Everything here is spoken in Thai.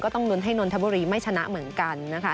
ต้องลุ้นให้นนทบุรีไม่ชนะเหมือนกันนะคะ